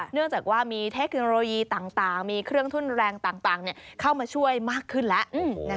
เนื่องจากว่ามีเทคโนโลยีต่างมีเครื่องทุนแรงต่างเข้ามาช่วยมากขึ้นแล้ว